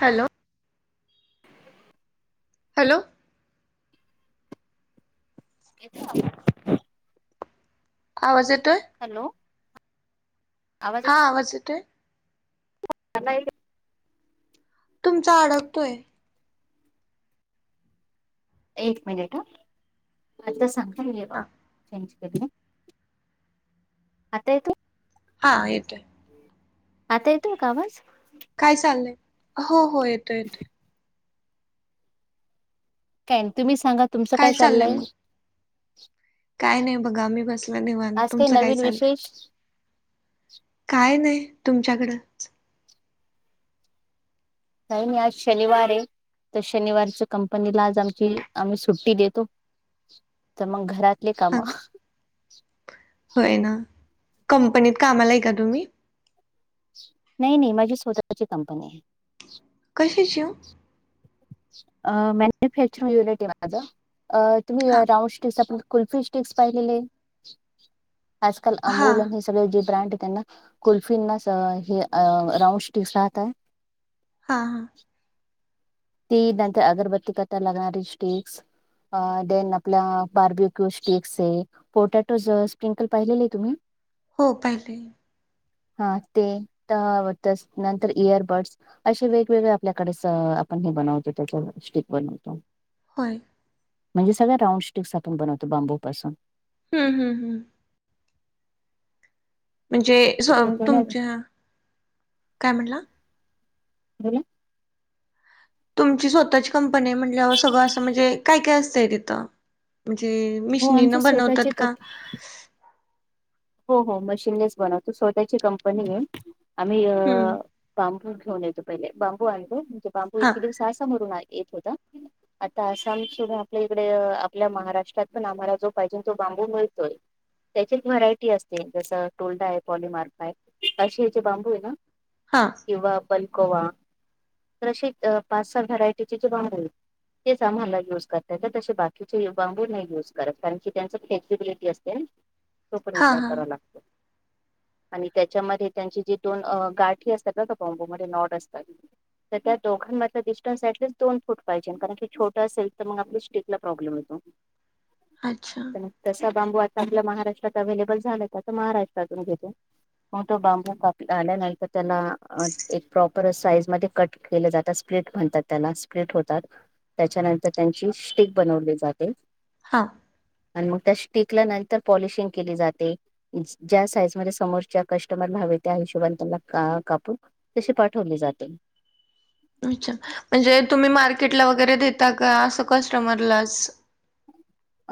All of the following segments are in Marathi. हॅलो. हॅलो येतोय आवाज. आवाज येतोय? हॅलो, आवाज हा आवाज येतोय? नाही ग. तुमचा अडकतोय. एक मिनिट ह, आता सांगता हे बा, हा चेंज केलंय. आता येतोय? हां येतोय. आता येतो का आवाज? काय चाललंय, हो, हो येतोय -येतोय. ताई, तुम्ही सांगा तुमचं काय चाललंय? काय नाही बघा, मी बसलोय निवांत आज काही तुमचं काय नवीन चाललय? विशेष काय नाही, तुमच्याकडं. नाही- नाही आज शनिवार हेय, तर शनिवारच कंपनीला आज आमची, आम्ही सुट्टी देतो. तर मग घरातली हा काम. का? होय ना, कंपनीत कामाला हाय का तुम्ही? नाही, नाही माझी स्वतःची कंपनी हेय. कशी शिवू? [unintelligible] हा कुल्फी स्टिक काय झालंय, आज काल हा अंबावणे नेच तुम्ही जे ब्रँड देताय त्यांना, कुल्फिना हे राऊंड स्टिक्स राहतात. हां, हां. ती बनते, अगरबत्ती करताना लागणारी स्टिक अ, दोन आपल्या बार्बेक्यू स्टीक्स हेय. पोटॅटो ज, स्प्रिंकल पाहिलेलं हेय तुम्ही? हो पाहिले. हा ते, तेव्वावं ते नंतर इयरबड्स अश्या वेगवेगळे आपल्याकडेच, आपण हे बनवतो त्याच स्टिक बनवतो. होय. म्हणजे सगळ्या राऊंड स्टीक्स आपण बनवतो बांबूपासून. हम, हम, हम. म्हणजे, ते सोऊ पण तुमच्या, काय म्हणला? बोला तुमची स्वतःची कंपनी म्हणल्यावर सगळ अस म्हणजे काय काय असतय तिथ. म्हणजे हो मिशनीन आमची स्वतःची बनवतात का? कप हो हो मशीननेच बनवतो. स्वतःची कंपनी आहे. आम्ही हम्म. अं बांबू घेऊन येयाचो पहिले. बांबू आणले म्हणजे बांबू हा इतके दिवस सा समोरून येत होत. आता आसामची आपल्या इकडे आपल्या महाराष्ट्रात पण आम्हाला जो पाहिजे तो बांबू मिळतोय. त्याची व्हराय टी असते. जस टोल्ड आहे. पॉलीमार्क आहे. अशीयाचे बांबू आहे ना हा किंवा बल्कोवा. तर अशी पाच सहा व्हरायटीचे जे बांबू आहेत तेच आम्हाला युज करता येतात. तसे बाकीचे बांबू नाही युज करत. कारण की त्यांच फ्लेक्सिबिलिटी असते. तो पण हा विचार हा करावा लागतो. आणि त्याच्यामध्ये त्यांचे जे दोन गाठी असतात ना त्या बांबूमध्ये नॉड असतात. तर त्या दोघांमधला डिस्टन्स ॲटलिस्ट दोन फूट पाहिजे. कारण की छोट असेल तर मग आपल्या स्टिकला प्रॉब्लेम येतो. [inaudible] अच्छा तर तसा बांबू आता आपल्या महाराष्ट्रात अव्हेलेबल झाला तर महाराष्ट्रातून घेतो. मग तो बांबू कापता आल्या नंतर तर त्याला एक प्रॉपर साईज मध्ये कट केले जातात. स्प्लिट म्हणतात त्याला. स्प्लिट होतात. त्याच्यानंतर त्यांची स्टिक बनवली जाते. हा आणि मग त्या स्टीक ला नंतर पॉलिशिंग केली जाते. ज्या साईज मध्ये समोरच्या कस्टमर हवय त्या हिशोबने त्यांना का कापुन तशी पाठवली जाते. अच्छा. म्हणजे तुम्ही मार्केटला वगैरे देता का? अस कस्टमरलाच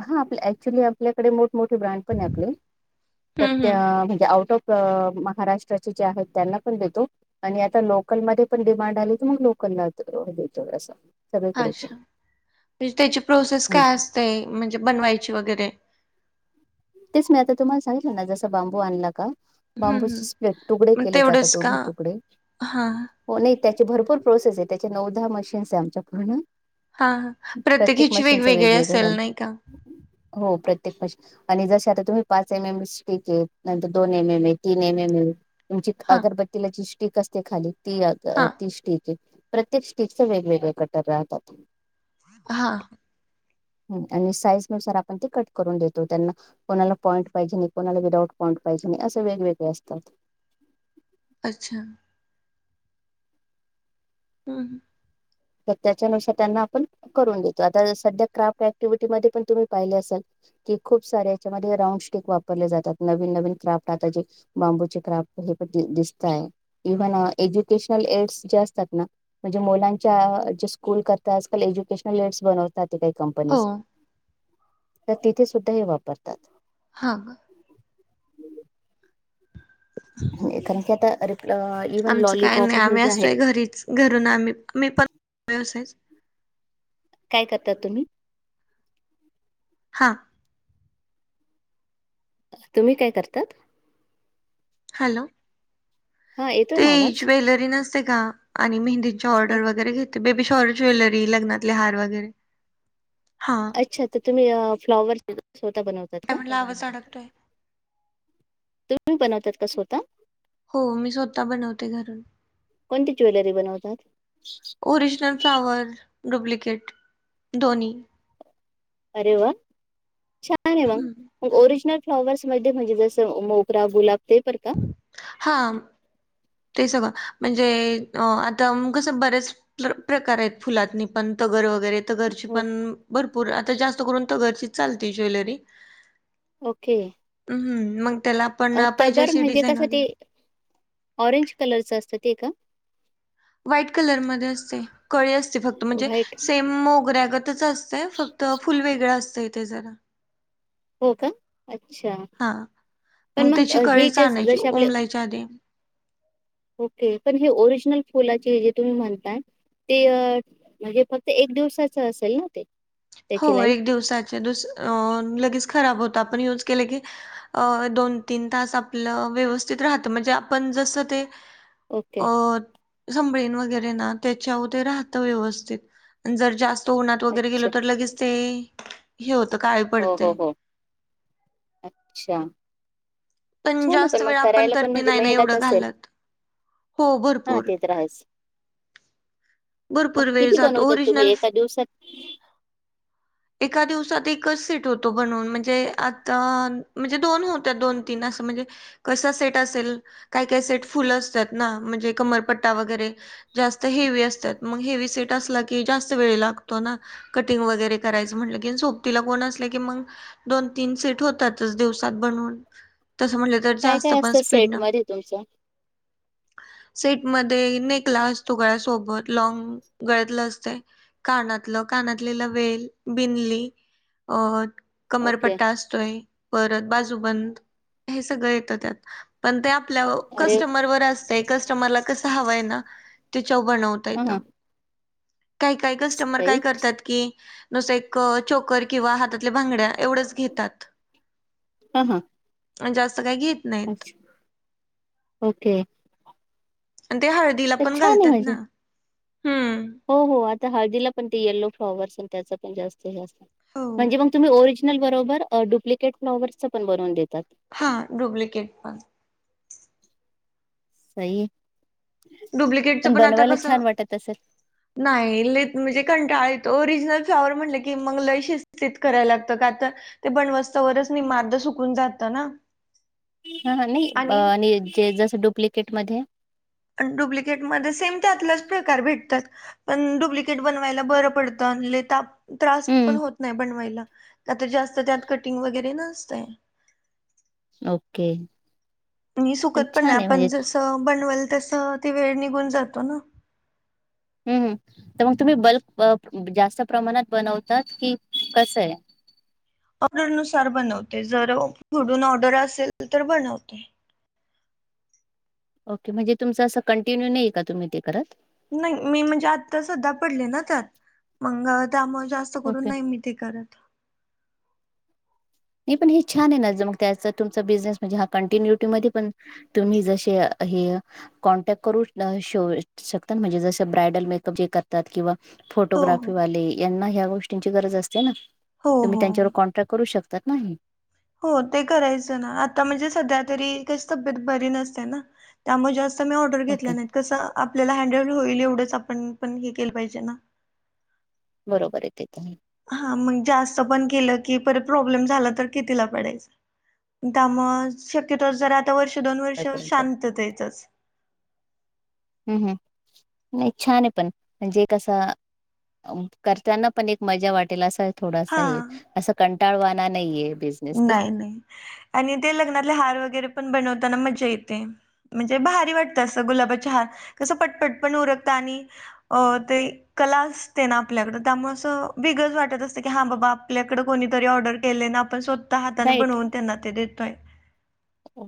हा आपल ऍक्च्युली आपल्याकडे मोठमोठे ब्रँड पण आहे आपले. तर हम्म त्या हम्म म्हणजे आउट ऑफ अम्म महाराष्ट्राचे जे आहेत त्यांना पण देतो. आणि आता लोकलमध्ये पण डिमांड आली तर मग लोकलला त देतो अस. आच्छा, म्हणजे त्याची प्रोसेस काय म्हणजे असते म्हणजे बनवायची वगैरे. तेच मी आता तुम्हाला सांगितल ना, जसा बांबू आणला का हम्म बांबूचे हम्म स्ट्रेट तुकडे मग केले तेवढंच जातात का? उभे तुकडे. हा नाही त्याची भरपूर प्रोसेस आहे. त्याची नऊ दहा मशीन्स आहेत आमच्या पूर्ण. हा हा. प्रत्येक प्रत्येकीची मशीनचं वेगवेगळी वेगवेगळं असेल नाही का? हो प्रत्येक मशीन आणि जसे आता तुम्ही पाच एम एम स्टिक आहे. नंतर दोन एम एम आहे. तीन एम एम आहे. तुमच्या हा अगरबत्तीला जी स्टिक असते खाली ती अ हा ती स्टिक. म्हणजे प्रत्येक स्टिकच वेगवेगळे कटर राहतात. हा आणि साईजनुसार आपण ते कट करून देतो त्यांना कोणाला पॉईंट पाहिजे नाही. कोणाला विदाउट पॉईंट पाहिजे नाही. असे वेगवेगळे असतात. अच्छा हम्म हम्म तर, त्याच्यानुसार त्यांना आपण करून देतो. आता सध्या क्राफ्ट ऍक्टिव्हिटी मध्ये पण तुम्ही पाहिले असल. कि खूप सारे याच्यामध्ये राऊंड स्टीक वापरले जातात. नवीन नवीन क्राफ्ट आता जे बांबूचे क्राफ्ट हे प दिसताय. इव्हन एज्युकेशनल एडस जे असतात, ना म्हणजे मुलां च्या जे स्कूल करता आजकाल एज्युकेशनल लीडस बनवतात काही हो कंपनीज. त तिथे सुद्धा हे वापरतात. हा! कारण की आता इव्हन आमचं काय लॉलीपॉप नाही हे आम्ही जे असतोय आहेत घरीच. घरून आम्ही मी पण व्यवसायच. काय करतात तुम्ही? हां! तुम्ही काय करतात? हॅलो! हा येतो ना ती आवाज ज्वेलरी नसते का, आणि मेहंदीच्या ऑर्डर वगैरे घेत बेबी शॉवर ज्वेलरी, लग्नातले हार वगैरे हा! अच्छा त तुम्ही अं फ्लाॅवर स्वतः बनवता. काय म्हणला आवाज आडकतोय. तुम्ही बनवतात का स्वतः हो मी स्वतः बनवते घरून कोणती ज्वेलरी बनवतात? ओरि जनल फ्लॉवर, डुप्लिकेट दोन्ही. अरे वा छान ये मंग हम्म. म ओरिजनल फ्लॉवर्स मध्ये म्हणजे जसं, मोगरा गुलाब ते पर हा ते सगळं म्हणजे अं आता म कस बरेच प्रकार हेत फुलात नी पण तगरं वैगरे तगरची हो, पण भरपूर आता जास्त करून तगरचीच चालती ज्वेलरी. ओके. हूं मग त्याला आपण अ, पाहिजे तगर अशी म्हणजे डिझाईन कस वगैरे ते ऑरेंज कलरच असत ते का? व्हाईट कलरमध्ये असतय कळी असती फक्त म्हणजे व्हाईट सेम मोगऱ्यागत. च असतय फक्त फुल वेगळं असतंय ते जरा. हो का अच्छा. हा पण मग त्याची अ, हे कळीच जे आणायची जसे आपले उमलायच्या आधी. ओके पण हे ओरिजिनल फुलाचे हे तुम्ही म्हणताय. ते म्हणजे फक्त एक दिवसाच असेल ना ते. हो त्याची लाईफ? एक दिवसाचे दुस अ लगेच खराब होता आपण यूज केलं की. अ दोन तीन तास आपलं व्यवस्थित राहत म्हणजे आपण जसं ते. ओके. अ! संभळीन वगैरे ना त्याच्याव ते राहतं व्यवस्थित न जर जास्त उन्हात वगैरे गेलो. अच्छा. तर लगेच ते. हे होतं काय. हो हो हो अच्छा. छान हे पण जास्त मग वेळ आपण करायला पण तरी म्हणजे नाही ना मेहनत एवढं असेल. घालत हो हां, भरपूर. ते तर आहेच. मग भरपूर वेळ किती जातो बनवतात तुम्ही ओरिजिनल एका दिवसात? एका दिवसात एकच सेट होतो बनून म्हणजे, आता म्हणजे दोन होत्या दोन तीन असं म्हणजे. कसा सेट असेल काय, काय सेट फुल असतात ना म्हणजे कमरपट्टा वगैरे. जास्त हेवी असतात मंग हेवी सेट असला की जास्त वेळ लागतो ना कटिंग वैगेरे. करायाचं म्हटल की न सोबतीला कोण असल की मंग दोन तीन सेट होतातच दिवसात बनून. तसं म्हटलं तर काय जास्त काय पण असतं स्पीड सेट ना. मध्ये तुमचं सेट मध्ये नेकलास तुगळ्या सोबत. लाँग गळ्यातलं असतय कानातलं कानातले लवेल बिंदली अहत ओके कमरपट्टा असतोय परत बाजूबंद हे सगळं येतं त्यात. पण ते आपल्या अरे कस्टमरवर असते कस्टमरला कसं हव आहे ना त्याच्या बनवत. आं हां. काही काही कस्टमर काय करतात की नुसतं एक चोकर किंवा हातातल्या भांगड्या एवढच घेतात. हा हां. आन जास्त काय घेत नाहीत अच्छा ओके. आणि ते हळदीला तर पण छान आहे घालतात ना म्हणजे हम्म. हो हो आता हळदीला पण ते यल्लो फ्लॉवर्स आन त्याचा पण जास्त हे असतं हो. म्हणजे मंग तुम्ही ओरिज नल बरोबर डुप्लिकेट फ्लॉवरर्सचा पण बनवून देतात. हा डुप्लिकेट पण. सही हे डुप्लिकेटचं पण आता बनवायला कसं छान वाटत असल. नाही लईत म्हणजे कंटाळ येतो ओरिजिनल फ्लाॉवर म्हटलं की मंग लई शिस्तीत कराय लागतं का आता ते बणवस्ता वरच नाही म आर्ध सुकून जातं ना. हा हा नाही आणि जे जसं डुप्लिकेट मध्ये आणि डुप्लिकेटमध्ये सेम त्यातलाच प्रकार भेटतात. पण डुप्लिकेट बनवायला बरं पडतं आन लई ताप त्रास पण हम्म होत नाही बनवायला का तर जास्त त्यात कटिंग वगैरे नसतय. ओके. अन ही सुकत पण नाय छान आहे आपण म्हणजे जसं बनवाल तसं ती वेळ निघून जातो ना. हम्म हम्म तर मग तुम्ही बल्क जास्त प्रमाणात बनवतात कि कसं आहे? ऑर्डरनुसार बनवते जर दुडून ऑर्डर असेल तर बनवते. ओके म्हणजे तुमचं असं कंटिन्यू नाही का तुम्ही ते करत. नाही मी म्हणजे आता सध्या पडले ना त्यात मंगा त्यामुळे जास्त करून ओके. नाही मी ते करत. नाही पण हे छान आहे ना जा मग त्याचा तुमचा बिझनेस म्हणजे हा कंटिन्युटी मध्ये पण तुम्ही जशेय हेय कॉन्टॅक्ट करून शोव शकतात म्हणजे जसं ब्रायडल मेकअप जे करतात किंवा हो हो फोटोग्राफीवाले यांना ह्या गोष्टींची गरज असते ना हो तुम्ही हो. त्यांच्यावर कॉन्ट्रॅक्ट करू शकत तात ना हे. हो ते करायचं ना आता म्हणजे सध्या तरी कशी तब्येत बरी नसते ना त्यामुळे जास स मी ऑर्डर ओके घेतला नाहीत कसं आपल्याला हँडल होईल एवढंच आपण पण हे केलं पाहिजे ना. बरोबर आहे ते पण हे. हा मंग जास्त पण केलं की परत प्रॉब्लेम झाला तर कितीला पडायचा त्यामुळे शक्यतो जरा आता वर्ष दोन वर्ष शांततेतच. हम्म हम्म नाही छान आहे पण म्हणजे कसं करताना पण एक मजा वाटेल असा थोडासा हा हे असं कंटाळवाना नाहीे आहे बेस. नाही नाही आणि ते लग्नातले हार वगैरे पण बनवताना मजा येते. म्हणजे भारी वाटतं असं गुलाबाचे हार कसं पटपट पण उरकतं आणि अ ते ही कला असते ना आपल्याकडे त्यामुळे असं वेगळच वाटत असतं की हा बाबा आपल्याकडे कोणीतरी ऑर्डर केले ना आपण स्वतः हाताने राईट. बनवून त्यांना ते देतोय.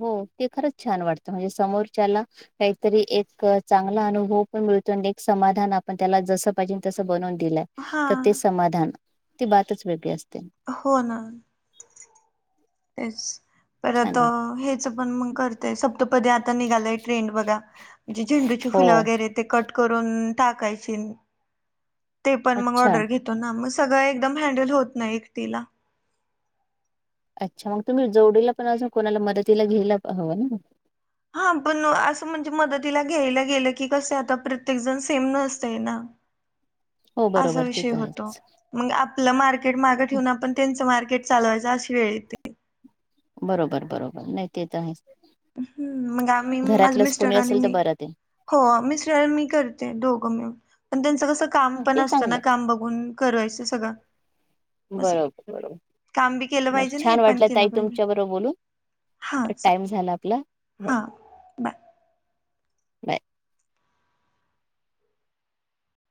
हो ते खरंच छान वाटतं. म्हणजे समोरच्याला काहीतरी एक चांगला अनुभव पण मिळतो. आणि एक समाधान आपण त्याला जस पाहिजे तस बनवून दिलंय. हा त ते समाधान. ती बातच वेगळी असते. हो ना. तेच. छान परत वाटते. हेच पण मग कर ते सप्तपदी आता निघालंय ट्रेंड बघा. जी झेंडूची फुलं हो. वगैरे ते कट करुन टाकायची. ते पण मग अच्छा ओर्डर घेत तोना. मग सगळं एकदम हँडल होत नाही एकटीला. अच्छा मग तुम्ही जोडीला पण अजून कोणाला मदतीला घायला हवं ना. हा पण असं म्हणजे मदतीला घ्यायला गेलं की, कस आता प्रत्येक जण सेम नसतय ना. हो असा बरोबर ते विषय तर होतो. आहेच. मग आपलं मार्केट मागे ठेऊून, आपण त्यांचं मार्केट चालवायचं अशी वेळ येते. बरोबर बरोबर नाही ते त आहेच. हम्म. मग आम्ही, माझे घरातलंच मिस्टर कोणी आणि असेल तर मी. बरं ते हो मिस्टर मी करते दोघं मिळून. पण त्यांचं कस काम हं, पण ते असतं चांगलं ना. आहे. काम बघून करायचं सगळं. असं बरोबर बरोबर. काम बी केलं बस पाहिजे आणि हे छान पण वाटलं केलं ताई पाहिजे तुमच्या बरोबर बोलून. हा चा टाइम झाला आपला. हो. हा. बाय. बाय.